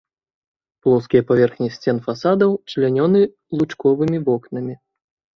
Плоскія паверхні сцен фасадаў члянёны лучковымі вокнамі.